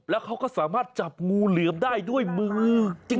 แล้วเขาก็สามารถจับงูเหลือมได้ด้วยมือจริง